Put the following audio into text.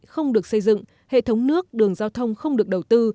không được xây dựng hệ thống nước đường giao thông không được đầu tư